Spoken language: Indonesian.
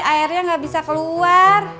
airnya gak bisa keluar